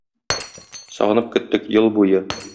Сагынып көттек ел буе.